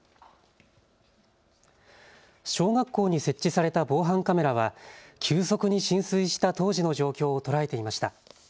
小学校に設置された防犯カメラは急速に浸水した当時の状況を捉えていました。